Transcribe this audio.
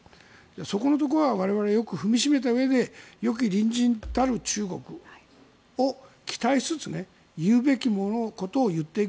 そこのところは我々、よく踏み締めたうえでよき隣人たる中国を期待しつつ、言うべきことを言っていく。